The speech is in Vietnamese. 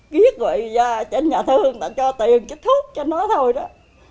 ký gợi ra trên nhà thương ta cho tiền trích thuốc cho nó thôi đó